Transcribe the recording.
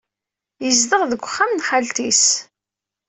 Yezdeɣ deg uxxam n xalti-s.